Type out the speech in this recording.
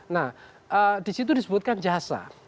nah disitu disebutkan jasa